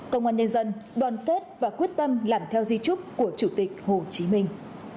công an nhân dân đoàn kết và quyết tâm làm theo di trúc của chủ tịch hồ chí minh